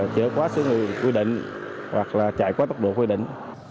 chở qua số người quy định hoặc là chạy qua tốc độ quy định